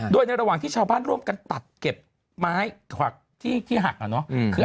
โดยในระหว่างที่ชาวบ้านร่วมกันตัดเก็บไม้ถวักที่หักอะเนาะ